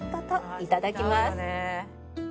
いただきます。